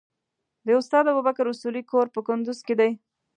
د استاد ابوبکر اصولي کور په کندوز کې دی.